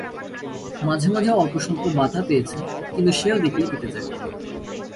মাঝে মাঝে অল্পস্বল্প বাধা পেয়েছে কিন্তু সেও দেখলে কেটে যায়।